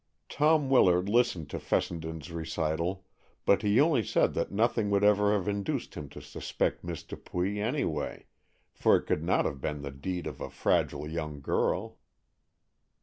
Tom Willard listened to Fessenden's recital, but he only said that nothing would ever have induced him to suspect Miss Dupuy, any way, for it could not have been the deed of a fragile young girl.